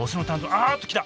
あっと来た！